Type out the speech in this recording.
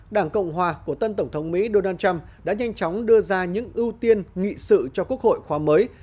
đảng cộng hòa của tân tổng thống mỹ donald trump đã nhanh chóng đưa ra những ưu tiên nghị sự cho quốc hội khóa mới